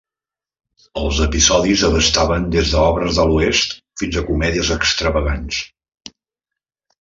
Els episodis abastaven des d'obres de l'oest fins a comèdies extravagants.